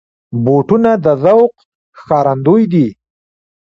بوټونه د ذوق ښکارندوی دي.